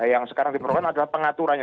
yang sekarang diperlukan adalah pengaturannya